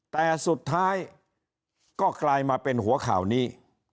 แต่สุดท้ายก็กลายมาเป็นหัวข่าวนี้